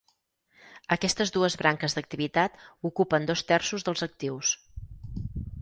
Aquestes dues branques d'activitat ocupen dos terços dels actius.